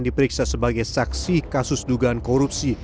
diperiksa sebagai saksi kasus dugaan korupsi